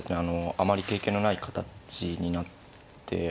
あまり経験のない形になってそうですね